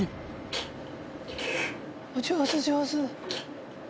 上手上手。